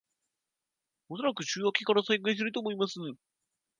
おそらく週明けから再開すると思います